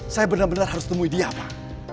saya benar benar harus temui dia pak